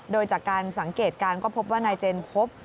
โดยจากการสังเกตการณ์ก็พบว่านายเจนพบ